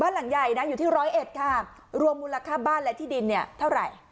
หลังใหญ่นะอยู่ที่ร้อยเอ็ดค่ะรวมมูลค่าบ้านและที่ดินเนี่ยเท่าไหร่